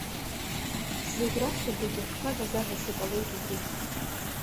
Зегьраԥхьаӡагьы шәага-загас иҟалеит убри.